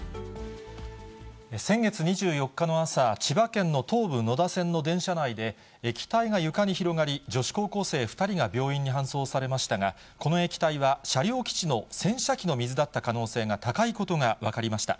先月２４日の朝、千葉県の東武野田線の電車内で液体が床に広がり、女子高校生２人が病院に搬送されましたが、この液体は車両基地の洗車機の水だった可能性が高いことが分かりました。